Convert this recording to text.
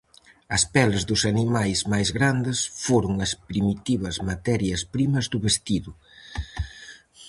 As peles dos animais máis grandes foron as primitivas materias primas do vestido.